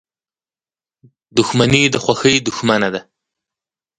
• دښمني د خوښۍ دښمنه ده.